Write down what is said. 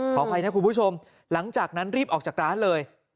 ขออภัยนะคุณผู้ชมหลังจากนั้นรีบออกจากร้านเลย